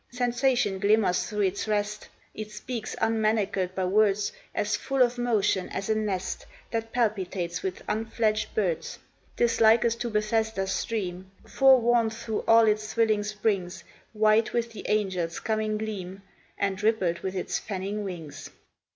Sensation glimmers through its rest, It speaks unmanacled by words, As full of motion as a nest That palpitates with unfledged birds; 'Tis likest to Bethesda's stream, Forewarned through all its thrilling springs, White with the angel's coming gleam, And rippled with his fanning wings.